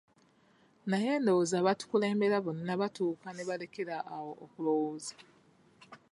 Naye ndowooza abatukulembera bonna batuuka ne balekera awo okulowooza.